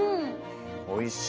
おいしい。